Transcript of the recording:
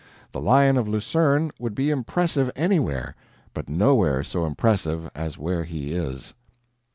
The Lion of Lucerne would be impressive anywhere, but nowhere so impressive as where he is.